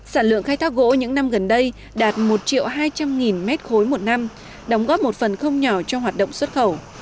sản lượng khai thác gỗ những năm gần đây đạt một triệu hai trăm linh m ba một năm đóng góp một phần không nhỏ cho hoạt động xuất khẩu